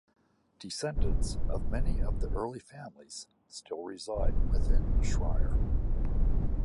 Descendants of many of the early families still reside within the shire.